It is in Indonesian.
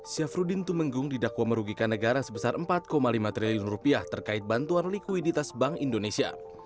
syafruddin tumenggung didakwa merugikan negara sebesar empat lima triliun rupiah terkait bantuan likuiditas bank indonesia